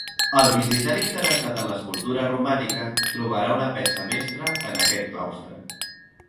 El visitant interessat en l'escultura romànica trobarà una peça mestra en aquest claustre.